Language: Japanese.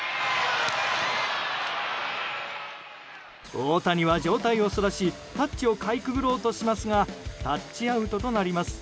大谷は上体を反らしタッチをかいくぐろうとしますがタッチアウトとなります。